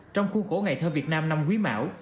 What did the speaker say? trong khuôn khổ ngày thơ việt nam năm quý mão